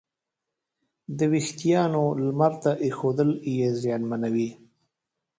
د وېښتیانو لمر ته ایښودل یې زیانمنوي.